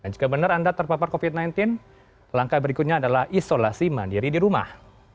jika benar anda terpapar covid sembilan belas langkah berikutnya adalah isolasi mandiri di rumah